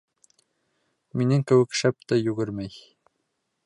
Минең кеүек шәп тә йүгермәй.